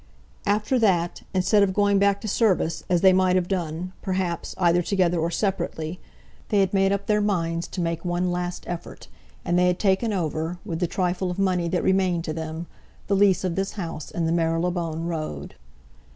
After that, instead of going back to service, as they might have done, perhaps, either together or separately, they had made up their minds to make one last effort, and they had taken over, with the trifle of money that remained to them, the lease of this house in the Marylebone Road.